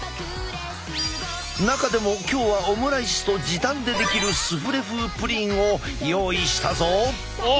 中でも今日はオムライスと時短でできるスフレ風プリンを用意したぞ。